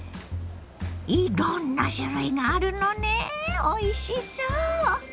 いろんな種類があるのねおいしそう！